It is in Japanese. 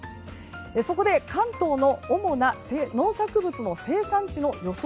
そこで関東の主な農作物の生産地の予想